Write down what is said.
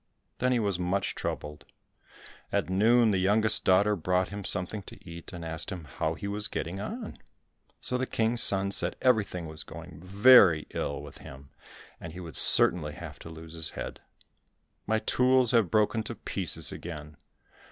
Then he was much troubled. At noon the youngest daughter brought him something to eat, and asked him how he was getting on? So the King's son said everything was going very ill with him, and he would certainly have to lose his head. "My tools have broken to pieces again."